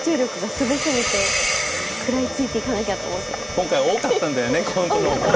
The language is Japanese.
今回多かったんだよねコントの本数が。